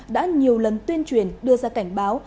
đã nhiều lần tuyên truyền đưa ra cảnh báo